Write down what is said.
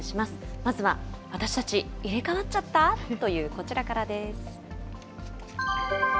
まずは、私たち、入れ代わっちゃった？というこちらからです。